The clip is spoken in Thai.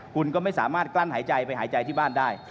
คุณก็ไม่สามารถกลั้นหายใจไปหายใจที่บ้านได้